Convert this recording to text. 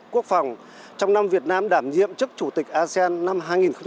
quốc phòng trong năm việt nam đảm nhiệm chức chủ tịch asean năm hai nghìn hai mươi